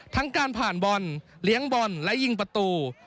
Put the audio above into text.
ทั้งการผ่านบอลเลี้ยงบอลและยิงประตู